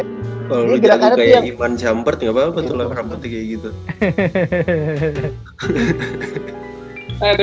kalo lu jatuh kayak iman jumpert gak apa apa tuh lah rambutnya kayak gitu